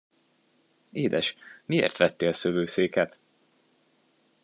Édes, miért vettél szövőszéket?